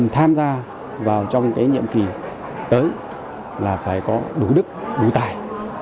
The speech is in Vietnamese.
tham gia vào trong cái nhiệm kỳ tới là phải có đủ đức đủ tài